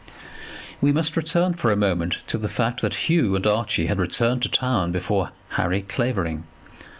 We must return for a moment to the fact that Hugh and Archie had returned to town before Harry Clavering.